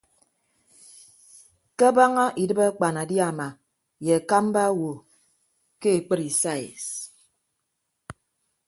Ke abaña idịb akpanadiama ye akamba awo ke ekpri sais.